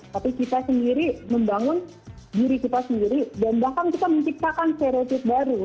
tapi kita sendiri membangun diri kita sendiri dan bahkan kita menciptakan stereotip baru